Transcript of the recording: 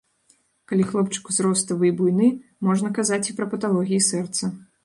Калі хлопчык узроставы і буйны, можна казаць і пра паталогіі сэрца.